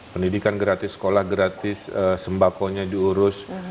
pendidikan gratis sekolah gratis sembakonya diurus